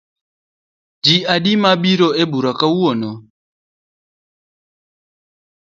Ji adi ma obiro ebura kawuono?